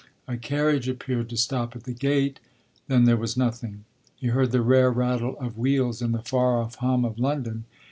A carriage appeared to stop at the gate then there was nothing; he heard the rare rattle of wheels and the far off hum of London.